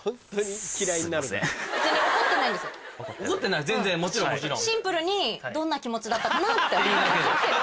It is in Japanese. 怒ってない全然もちろんもちろん。